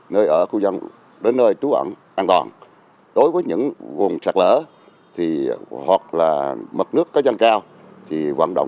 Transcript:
nơi ở khu dân đến nơi trú ẩn an toàn đối với những vùng sạc lở hoặc mật nước có dân cao thì vận động